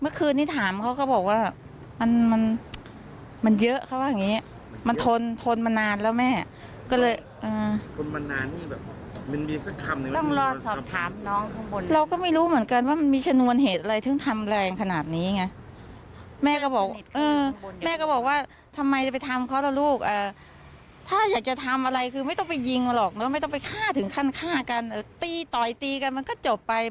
เมื่อคืนนี้ถามเขาก็บอกว่ามันมันเยอะเขาว่าอย่างงี้มันทนทนมานานแล้วแม่ก็เลยเออทนมานานนี่แบบมันมีสักคำหนึ่งต้องรอสอบถามน้องข้างบนเราก็ไม่รู้เหมือนกันว่ามันมีชนวนเหตุอะไรถึงทำแรงขนาดนี้ไงแม่ก็บอกเออแม่ก็บอกว่าทำไมจะไปทำเขาล่ะลูกถ้าอยากจะทำอะไรคือไม่ต้องไปยิงหรอกแล้วไม่ต้องไปฆ่าถึงขั้นฆ่ากันตีต่อยตีกันมันก็จบไป